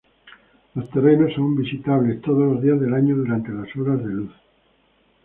Los terrenos son visitables todos los días del año durante las horas de luz.